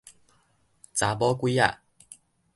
查某鬼仔